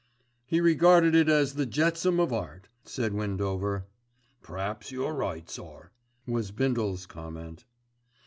"He regarded it as the jetsam of art," said Windover. "P'raps you're right, sir," was Bindle's comment.